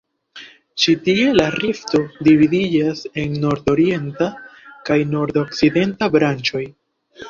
Ĉi tie la rifto dividiĝas en nordorienta kaj nordokcidenta branĉoj.